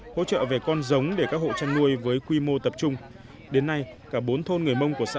hỗ trợ về con giống để các hộ chăn nuôi với quy mô tập trung đến nay cả bốn thôn người mông của xã